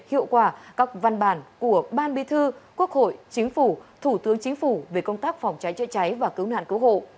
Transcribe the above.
hiệu quả các văn bản của ban bi thư quốc hội chính phủ thủ tướng chính phủ về công tác phòng cháy chữa cháy và cứu nạn cứu hộ